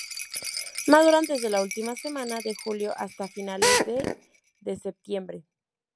Maduran desde la última semana de julio hasta finales de de septiembre.